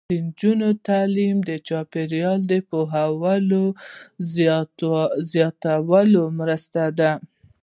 د نجونو تعلیم د چاپیریال پوهاوي زیاتولو مرسته ده.